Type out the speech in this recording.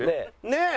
ねえ！